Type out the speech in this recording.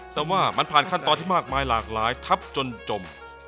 แต่ว่ามันผ่านขั้นตอนที่มากมายหลากหลายทับจนจม